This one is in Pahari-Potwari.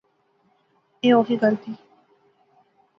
ایہہ اوخی گل تھی